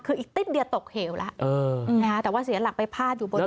คืออีกติ๊บเดียวตกเหวแล้วแต่ว่าเสียหลักไปพาดอยู่บน